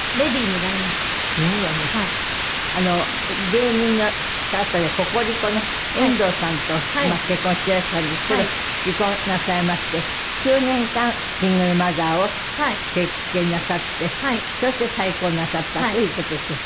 芸人の方でココリコの遠藤さんと結婚していらしたんですけど離婚なさいまして９年間シングルマザーを経験なさってそして再婚なさったという事ですが。